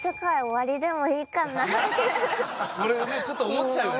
これねちょっと思っちゃうよね。